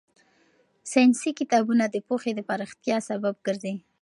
ساينسي کتابونه د پوهې د پراختیا سبب ګرځي.